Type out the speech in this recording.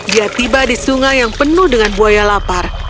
ia tiba di sungai yang penuh dengan buaya lapar